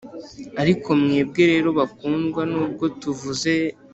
Ariko mwebwe rero bakundwa nubwo tuvuze